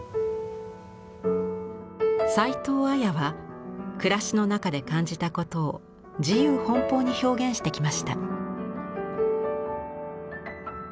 齊藤彩は暮らしの中で感じたことを自由奔放に表現してきました。